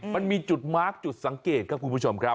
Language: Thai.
มันมีจุดมาร์คจุดสังเกตครับคุณผู้ชมครับ